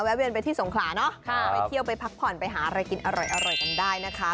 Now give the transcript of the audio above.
เวียนไปที่สงขลาเนาะไปเที่ยวไปพักผ่อนไปหาอะไรกินอร่อยกันได้นะคะ